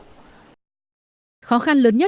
khó khăn lớn nhất trở lại là nơi này